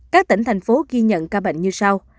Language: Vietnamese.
các tỉnh thành phố ghi nhận ca bệnh như sau